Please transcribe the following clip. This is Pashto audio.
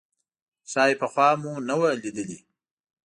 ښايي پخوا به مو نه وه لیدلې.